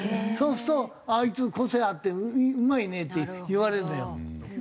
そうすると「あいつ個性あってうまいね」って言われるんだよ。